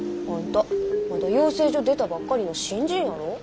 あんたまだ養成所出たばっかりの新人やろ？